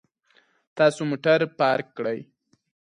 تاسو موټر پارک کړئ